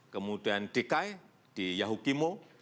kemudian dki di yahukimo